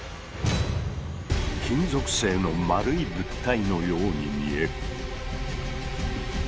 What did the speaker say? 金属製の丸い物体のように見える。